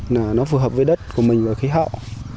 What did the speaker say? là nó phù hợp với đất của mình và khí hậu